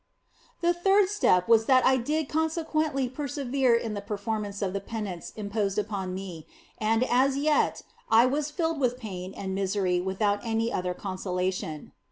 The third step was that I did consequently persevere in the performance of the penance imposed upon me, and as yet I was filled with pain and misery without any other consolation.